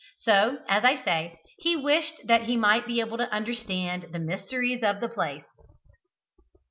So, as I say, he wished that he might be able to understand the mysteries of the place.